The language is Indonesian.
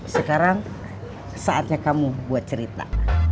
sekarang saatnya kamu buat cerita